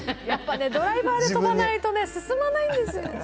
やっぱね、ドライバーで飛ばないとね、進まないんですよ。